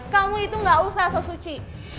kamu itu gak usah sesuci